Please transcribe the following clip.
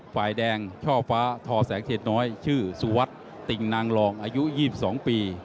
ฝ่ายแดงช่อฟ้าทอแสงเขตน้อยชื่อสุวัสดิ์ติ่งนางรองอายุ๒๒ปี